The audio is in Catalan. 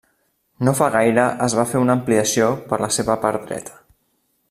No fa gaire es va fer una ampliació per la seva part dreta.